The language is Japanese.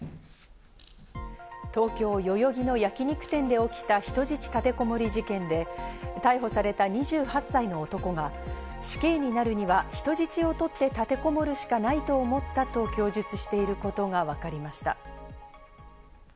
東京・代々木の焼き肉店で起きた人質立てこもり事件で、逮捕された２８歳の男が死刑になるには人質を取って立てこもるしかないと思ったと供述していることがわかりました。